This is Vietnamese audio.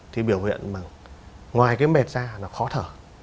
thì biểu hiện mà ngoài cái mệt ra là khó thở